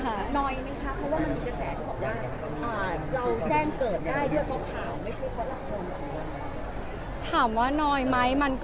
หน่อยไหมคะเพราะว่ามันมีกระแสที่บอกว่าเราแจ้งเกิดได้ด้วยเพราะข่าวไม่ใช่เพราะละคร